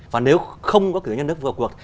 và nếu không có kiểu nhà nước vượt cuộc